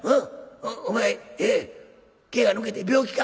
お前毛が抜けて病気か？